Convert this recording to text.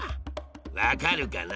分かるかな？